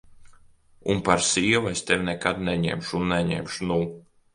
Un par sievu es tevi nekad neņemšu un neņemšu, nu!